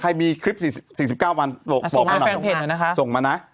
ใครมีคลิป๔๙วันบอกให้หน่อย